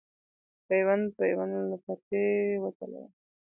پیوند پیوند لوپټې وځلوه